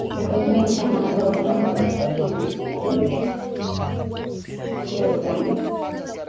Kutumika na banamuke ni muzuri sana